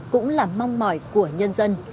cũng là mong mỏi của nhân dân